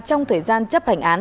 trong thời gian chấp hành án